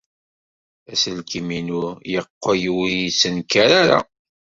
Aselkim-inu yeqqel ur yettenkar ara.